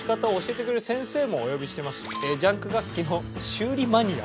ジャンク楽器の修理マニア。